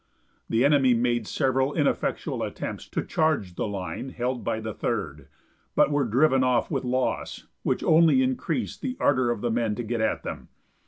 The enemy made several ineffectual attempts to charge the line held by the Third, but were driven off with loss, which only increased the ardor of the men to get at them.